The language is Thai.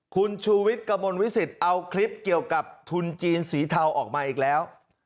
คุณชูวิทย์กระมวลวิสิตเอาคลิปเกี่ยวกับทุนจีนสีเทาออกมาอีกแล้ว